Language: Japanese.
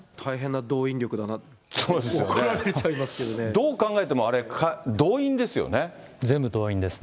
どう考えても、あれ、動員で全部動員ですね。